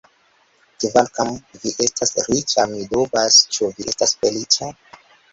Kvankam vi estas riĉa, mi dubas, ĉu vi estas feliĉa.